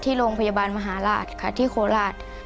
ที่โรงพยาบาลมหาราชค่ะที่โคราช